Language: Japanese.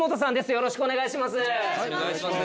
・よろしくお願いします